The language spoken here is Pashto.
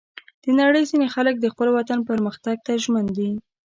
د نړۍ ځینې خلک د خپل وطن پرمختګ ته ژمن دي.